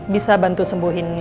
bisa bantu sembuhin kamu